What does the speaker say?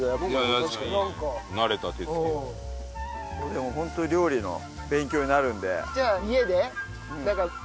でもホント料理の勉強になるんで。